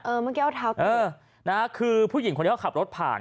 เมื่อกี้เอาเท้าเตอร์นะคือผู้หญิงคนนี้เขาขับรถผ่าน